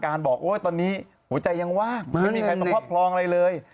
บอกโอ้ยตอนนี้หัวใจยังว่างไม่มีใครมาครอบครองอะไรเลย